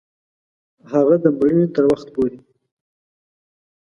هغه د مړینې تر وخت پوري